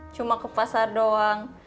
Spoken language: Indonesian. cuma ke pasar doang